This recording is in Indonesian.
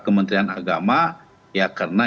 kementerian agama ya karena